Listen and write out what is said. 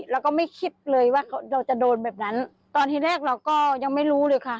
เราก็ไม่คิดเลยว่าเราจะโดนแบบนั้นตอนที่แรกเราก็ยังไม่รู้เลยค่ะ